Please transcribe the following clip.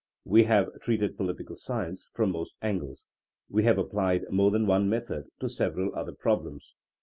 We have treated political science from most angles. We have applied more than one method to several other problems.